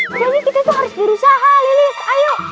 pokoknya kita harus berusaha lilis ayo